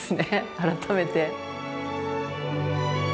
改めて。